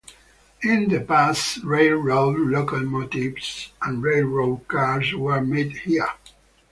In the past, railroad locomotives and railroad cars were made here.